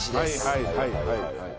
はいはいはいはい。